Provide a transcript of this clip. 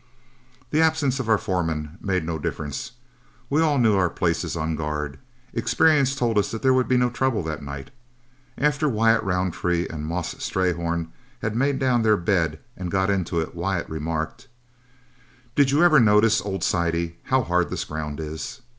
The absence of our foreman made no difference. We all knew our places on guard. Experience told us there would be no trouble that night. After Wyatt Roundtree and Moss Strayhorn had made down their bed and got into it, Wyatt remarked, "Did you ever notice, old sidey, how hard this ground is?"